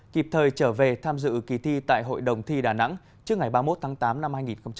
kịp thời trở về tham dự kỳ thi tại hội đồng thi đà nẵng trước ngày ba mươi một tháng tám năm hai nghìn hai mươi